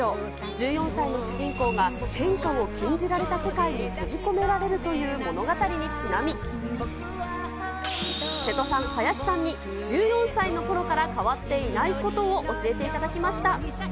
１４歳の主人公が変化を禁じられた世界に閉じ込められるという物語にちなみ、瀬戸さん、林さんに、１４歳のころから変わっていないことを教えていただきました。